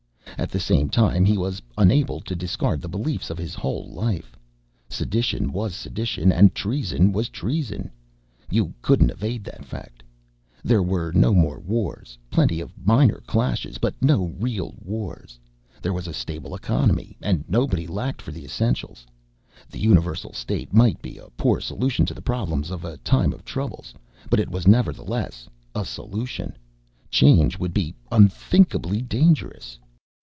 At the same time, he was unable to discard the beliefs of his whole life. Sedition was sedition and treason was treason you couldn't evade that fact. There were no more wars plenty of minor clashes, but no real wars. There was a stable economy, and nobody lacked for the essentials. The universal state might be a poor solution to the problems of a time of troubles, but it was nevertheless a solution. Change would be unthinkably dangerous.